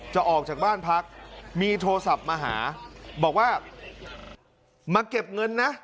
ออกจากบ้านพักมีโทรศัพท์มาหาบอกว่ามาเก็บเงินนะ